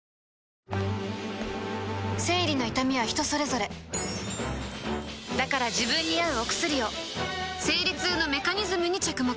生理の痛みは人それぞれだから自分に合うお薬を生理痛のメカニズムに着目